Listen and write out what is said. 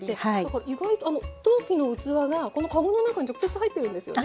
意外とあの陶器の器がこの籠の中に直接入ってるんですよね？